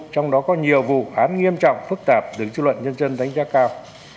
trong đó có nhiều vụ án nghiêm trọng phức tạp đứng chức luận nhân dân đánh giá cao